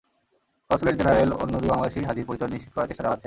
Consulate general অন্য দুই বাংলাদেশি হাজির পরিচয় নিশ্চিত করার চেষ্টা চালাচ্ছেন।